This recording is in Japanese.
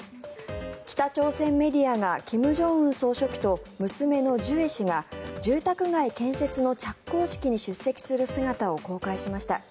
北朝鮮メディアが金正恩総書記と娘のジュエ氏が住宅街建設の着工式に出席する姿を公開しました。